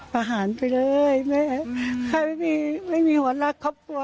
ประหารไปเลยแม่ใครไม่มีหวังละครอบครัว